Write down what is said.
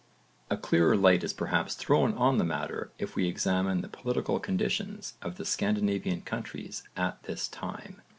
A clearer light is perhaps thrown on the matter if we examine the political condition of the Scandinavian countries at this time.